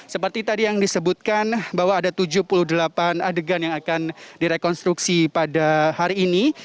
seperti tadi yang disebutkan bahwa ada tujuh puluh delapan adegan yang akan direkonstruksi pada hari ini